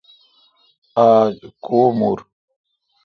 آج کو مور۔